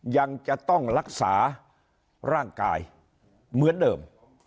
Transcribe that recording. ยังจะต้องรักษาร่างกายเหมือนเดิม